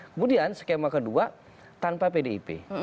kemudian skema kedua tanpa pdip